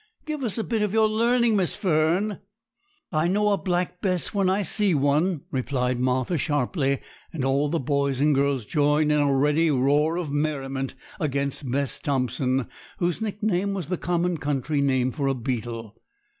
Give us a bit of your learning, Miss Fern.' 'I know a black bess when I see one,' replied Martha sharply; and all the boys and girls joined in a ready roar of merriment against Bess Thompson, whose nickname was the common country name for a beetle.